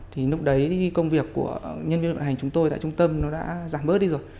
thì lúc đấy công việc của nhân viên vận hành chúng tôi tại trung tâm nó đã giảm bớt đi rồi